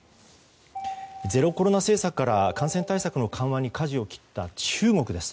ゼロコロナ政策から感染対策の緩和にかじを切った中国です。